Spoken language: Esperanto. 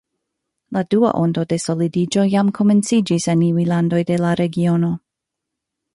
La dua ondo de solidiĝo jam komenciĝis en iuj landoj de la regiono.